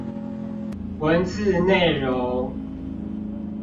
文字內容